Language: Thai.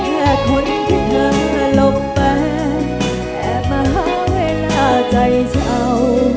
แค่คนที่เธอหลบไปแอบมาหาเวลาใจเช่า